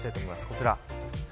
こちら。